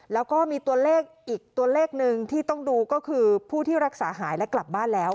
แล้วก็มีตัวเลขอีกตัวเลขหนึ่งที่ต้องดูก็คือผู้ที่รักษาหายและกลับบ้านแล้ว